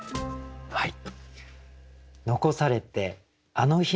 はい。